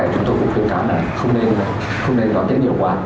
chúng tôi cũng khuyên khám là không nên đón tết nhiều quá